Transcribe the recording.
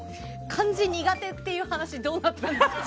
漢字苦手っていう話どうなったんですか。